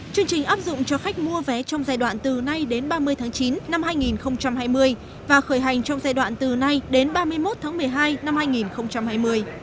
chương trình áp dụng cho khách mua vé trong giai đoạn từ nay đến ba mươi tháng chín năm hai nghìn hai mươi và khởi hành trong giai đoạn từ nay đến ba mươi một tháng một mươi hai năm hai nghìn hai mươi